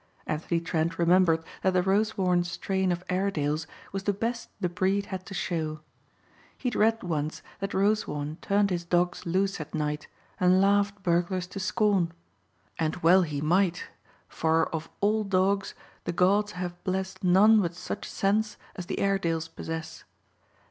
Anthony Trent remembered that the Rosewarne strain of Airedales was the best the breed had to show. He had read once that Rosewarne turned his dogs loose at nights and laughed burglars to scorn. And well he might, for of all dogs, the gods have blessed none with such sense as the Airedales possess.